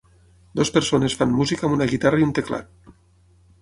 Dues persones fan música amb una guitarra i un teclat.